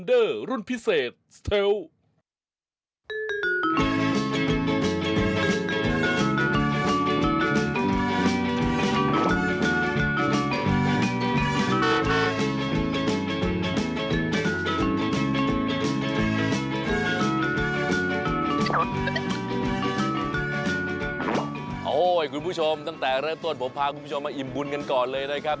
โอ้โหคุณผู้ชมตั้งแต่เริ่มต้นผมพาคุณผู้ชมมาอิ่มบุญกันก่อนเลยนะครับ